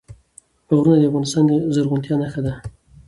غرونه د افغانستان د زرغونتیا نښه ده.